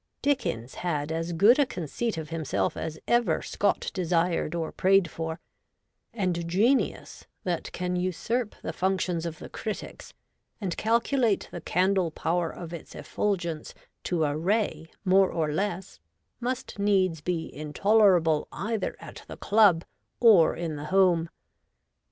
Dickens had as good a conceit of himself as ever Scot desired or prayed for — and genius that can usurp the functions of the critics and calculate the candle power of its effulgence to a ray more or less must needs be intolerable either at the club or in the home.